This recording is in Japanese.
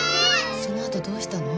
その後どうしたの？